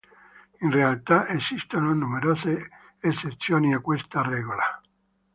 In realtà esistono numerose eccezioni a questa regola.